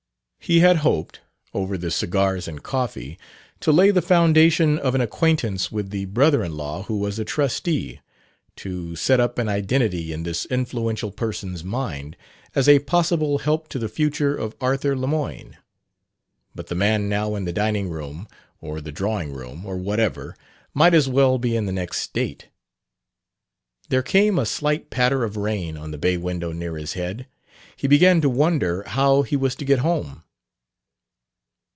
He had hoped, over the cigars and coffee, to lay the foundation of an acquaintance with the brother in law who was a trustee, to set up an identity in this influential person's mind as a possible help to the future of Arthur Lemoyne. But the man now in the dining room, or the drawing room, or wherever, might as well be in the next state. There came a slight patter of rain on the bay window near his head. He began to wonder how he was to get home.